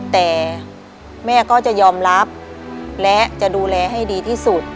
แต่แม่ก็จะยอมรับและจะดูแลให้ดีที่สุด